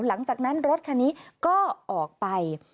หลังจากนั้นรถคันนี้ก็ออกไป